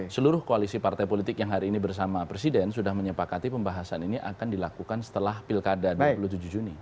seluruh koalisi partai politik yang hari ini bersama presiden sudah menyepakati pembahasan ini akan dilakukan setelah pilkada dua puluh tujuh juni